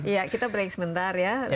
iya kita break sebentar ya